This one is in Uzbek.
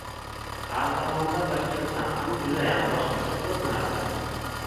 Har zamonda bir kelsam ham judayam boshqacha koʻrinardi.